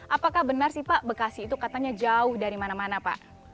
apakah benar sih pak bekasi itu katanya jauh dari mana mana pak